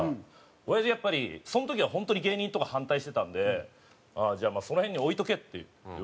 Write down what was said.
おやじやっぱりその時は本当に芸人とか反対してたんで「じゃあまあその辺に置いとけ」って言われて。